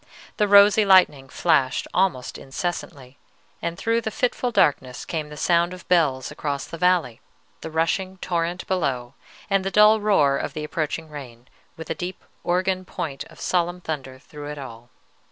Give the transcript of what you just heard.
The rosy lightning flashed almost incessantly, and through the fitful darkness came the sound of bells across the valley, the rushing torrent below, and the dull roar of the approaching rain, with a deep organ point of solemn thunder through it all.